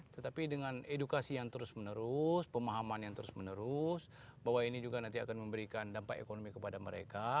tetapi dengan edukasi yang terus menerus pemahaman yang terus menerus bahwa ini juga nanti akan memberikan dampak ekonomi kepada mereka